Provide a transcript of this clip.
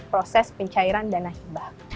proses pencairan dana hibah